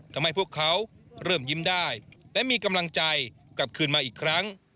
ทำให้พวกเขาเริ่มยิ้มได้และมีกำลังใจกลับคืนมาอีกครั้ง